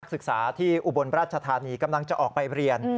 ศึกษาที่อุบลราชธานีกำลังจะออกไปเรียน